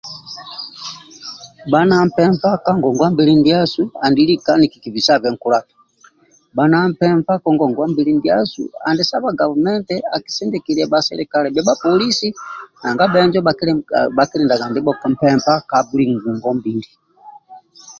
Bha na mpempa ka ngongwa mbili ndiasu andi lika nikibisabe nkulato bha na mpempa ka ngongwa mbili ndiasu andi saba gavumenti akisindikilie bhasilikale bhia bhapolisi nanga bhenjo bhakikindaga ndibho mpempa ka buli mbili